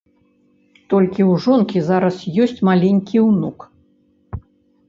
Толькі ў жонкі зараз ёсць маленькі ўнук.